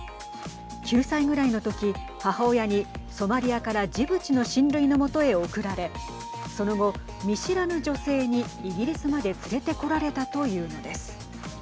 ９歳ぐらいのとき、母親にソマリアからジブチの親類の元へ送られその後見知らぬ女性にイギリスまで連れてこられたというのです。